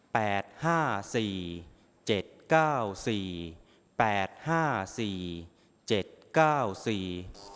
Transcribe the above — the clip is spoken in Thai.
ห้าสี่เจ็ดเก้าสี่แปดห้าสี่เจ็ดเก้าสี่